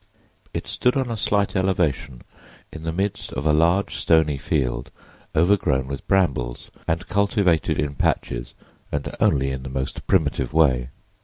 It stood on a slight elevation in the midst of a large, stony field overgrown with brambles, and cultivated in patches and only in the most primitive way.